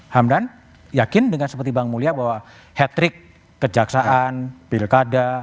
hamdan yakin dengan seperti bang mulia bahwa hat trick kejaksaan pilkada